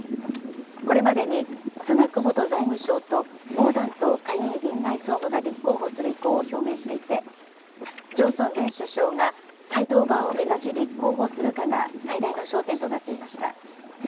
これまでにスナク元財務相とモーダント下院院内総務が立候補する意向を表明していて、ジョンソン前首相が、再登板を目指し立候補するかが最大の焦点となっていました。